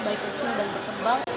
baik kecil dan berkembang